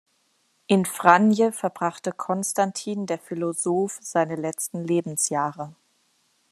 In Vranje verbrachte Konstantin der Philosoph seine letzten Lebensjahre.